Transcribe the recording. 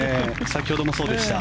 先ほどもそうでした。